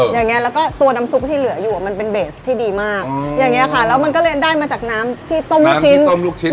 อย่างเงี้ยแล้วก็ตัวน้ำซุปที่เหลืออยู่มันเป็นเบสที่ดีมากอย่างเงี้ยค่ะแล้วมันก็เลยได้มาจากน้ำที่ต้มลูกชิ้นต้มลูกชิ้น